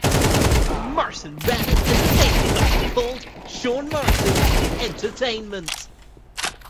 Morrison ran an entertainment company called Sean Morrison Entertainment.